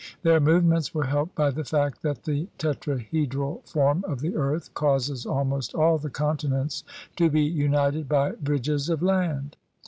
Their movements were helped by the fact that the tetrahedral form of the earth causes almost all the continents to be united by bridges of land.